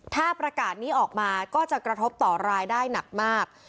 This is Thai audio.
ถ้าประกาศนี้ออกมาก็จะกระทบต่อรายได้หนักมาก